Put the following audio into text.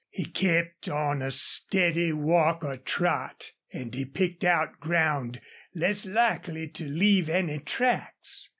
He kept on a steady walk or trot, and he picked out ground less likely to leave any tracks.